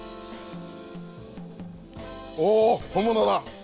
おお本物だ！